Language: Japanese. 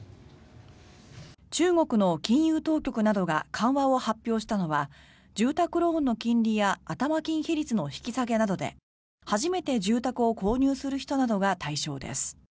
中国の金融当局などが緩和を発表したのは住宅ローンの金利や頭金比率の引き下げなどで初めて住宅を購入する人などが対象です。